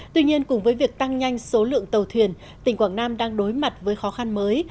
tuy nhiên cùng với việc tăng nhanh số lượng tàu thuyền tỉnh quảng nam đang đối mặt với khó khăn mới